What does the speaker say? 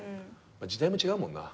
時代も違うもんな